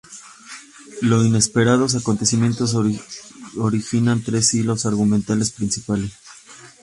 Los inesperados acontecimientos originan tres hilos argumentales principales.